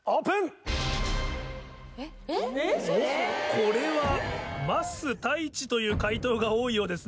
・これは「ますたいち」という解答が多いようですね。